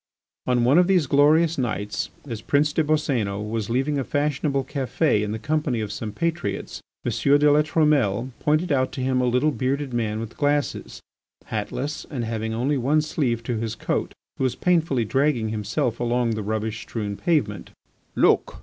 On one of these glorious nights, as Prince des Boscénos was leaving a fashionable café in the company of some patriots, M. de La Trumelle pointed out to him a little, bearded man with glasses, hatless, and having only one sleeve to his coat, who was painfully dragging himself along the rubbish strewn pavement. "Look!"